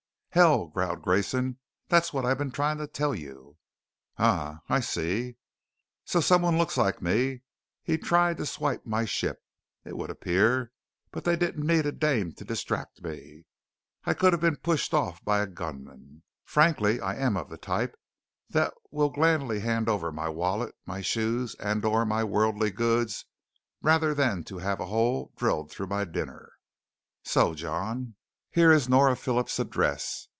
"Hell," growled Grayson, "That's what I've been trying to tell you." "Um. I see " "So someone looks like me. He tried to swipe my ship, it would appear. But they didn't need a dame to distract me; I could have been pushed off by a gunman. Frankly, I am of the type that will gladly hand over my wallet, my shoes, and/or my worldly goods rather than to have a hole drilled through my dinner. So, John, here is Nora Phillips' address.